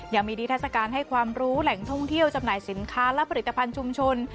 ยังมีนิทัศกาลให้ความรู้แหล่งท่องเที่ยวจำหน่ายสินค้าและผลิตภัณฑ์ชุมชน